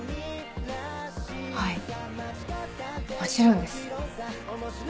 はいもちろんです。